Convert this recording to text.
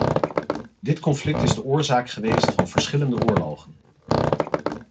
Dit conflict is de oorzaak geweest van verschillende oorlogen.